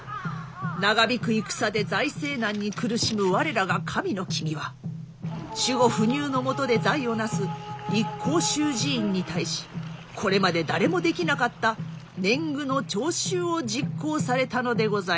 長引く戦で財政難に苦しむ我らが神の君は守護不入のもとで財を成す一向宗寺院に対しこれまで誰もできなかった年貢の徴収を実行されたのでございます！